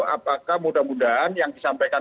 apakah mudah mudahan yang disampaikan